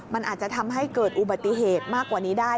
มันอาจจะทำให้เกิดอุบัติเหตุมากกว่านี้ได้